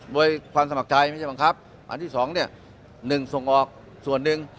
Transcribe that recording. โดยความสมัครใจไม่ใช่บังคับอันที่๒เนี่ย๑ส่งออกส่วนหนึ่ง